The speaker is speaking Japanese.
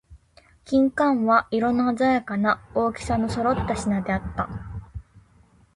蜜柑は、色のあざやかな、大きさの揃った品であった。